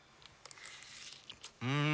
うん！